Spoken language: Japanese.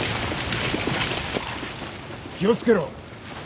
気を付けろ。